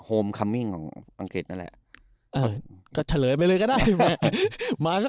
โมคัมมิ้งของอังกฤษนั่นแหละเออก็เฉลยไปเลยก็ได้ว่ะมาก็